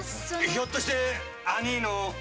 ひょっとして兄ぃの。